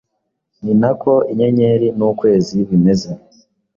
ni nako inyenyeri n’ukwezi bimeze